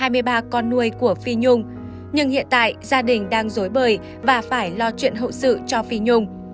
của con nuôi của phi nhung nhưng hiện tại gia đình đang rối bời và phải lo chuyện hậu sự cho phi nhung